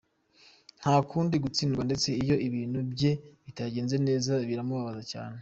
Ntakunda gutsindwa ndetse iyo ibintu bye bitagenze neza biramubabaza cyane.